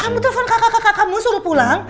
telepon kakak kakak kamu suruh pulang